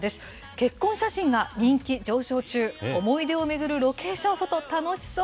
結婚写真が人気上昇中、思い出を巡るロケーションフォト、楽しそう。